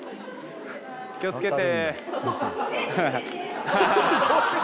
気を付けて。